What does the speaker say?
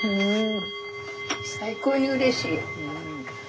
最高にうれしい。